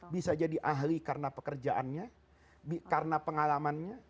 bisa jadi ahli karena pekerjaannya karena pengalamannya